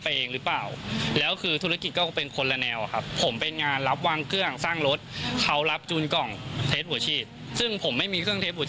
ซึ่งผมไม่มีเครื่องเทสผัวชีสแล้วผมก็ไม่ได้รับจูนกล่องเป็นหลัก